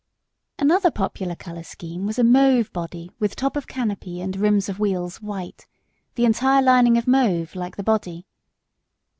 Another popular colour scheme was a mauve body with top of canopy and rims of wheels white, the entire lining of mauve, like the body.